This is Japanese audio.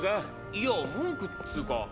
いや文句っつうか。